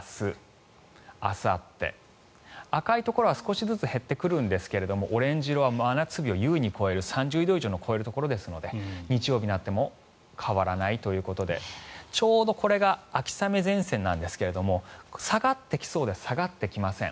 明日、あさって、赤いところは少しずつ減ってくるんですがオレンジ色は真夏日を優に超える３０度以上を超えるところですので日曜日になっても変わらないということでちょうどこれが秋雨前線ですが下がってきそうで下がってきません。